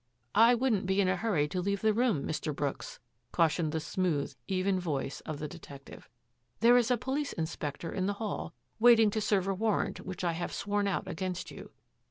" I wouldn't be in a hurry to leave the room, Mr. Brooks," cautioned the smooth, even voice of the detective. " There is a police inspector in the hall, waiting to serve a warrant which I have sworn out against you.